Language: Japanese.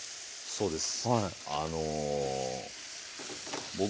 そうです。